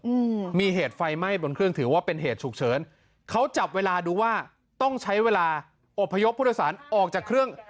อืมมีเหตุไฟไหม้บนเครื่องถือว่าเป็นเหตุฉุกเฉินเขาจับเวลาดูว่าต้องใช้เวลาอบพยพผู้โดยสารออกจากเครื่อง